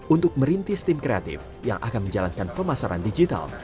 untuk merintis tim kreatif yang akan menjalankan pemasaran digital